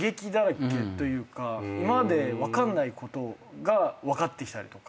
今まで分かんないことが分かってきたりとか。